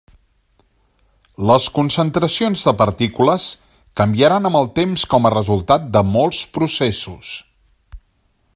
Les concentracions de partícules canviaran amb el temps com a resultat de molts processos.